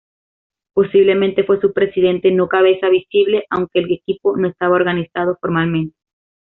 Posiblemente fue su presidente o cabeza visible, aunque el equipo no estaba organizado formalmente.